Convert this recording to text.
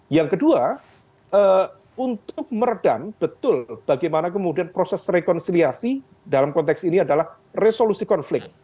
yang kedua untuk meredam betul bagaimana kemudian proses rekonsiliasi dalam konteks ini adalah resolusi konflik